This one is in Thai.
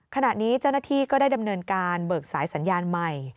ขณะนี้เจ้าหน้าที่ก็ได้ดำเนินการเบิกสายสัญญาณใหม่